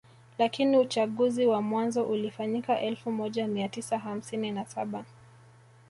Lakini uchaguzi wa mwanzo ulifanyika elfu moja mia tisa hamsini na saba